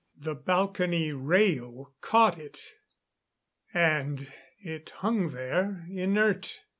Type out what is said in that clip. The balcony rail caught it; and it hung there inert.